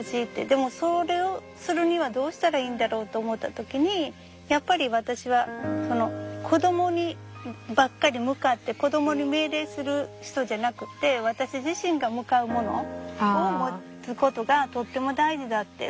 でもそれをするにはどうしたらいいんだろうと思った時にやっぱり私は子供にばっかり向かって子供に命令する人じゃなくって私自身が向かうものを持つことがとっても大事だって。